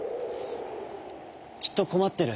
きっとこまってる。